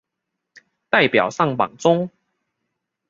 代表上榜中